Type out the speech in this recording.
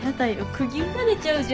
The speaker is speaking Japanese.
釘打たれちゃうじゃん。